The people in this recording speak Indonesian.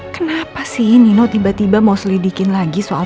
kenapa sih nino tiba tiba mau selidikin lagi soal